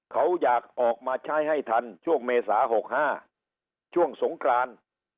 เขาอยากออกมาใช้ให้ทันช่วงเมษา๖๕ช่วงสงกราน